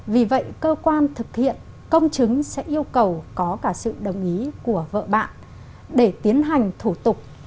vì vậy cơ quan thực hiện công chứng sẽ yêu cầu có cả sự đồng ý của vợ bạn để tiến hành thủ tục